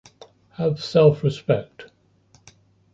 Have self - respect...